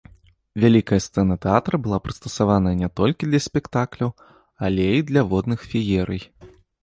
Вялікая сцэна тэатра была прыстасаваная ня толькі для спектакляў, але і для водных феерый.